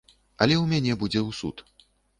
Але ў мяне будзе ў суд.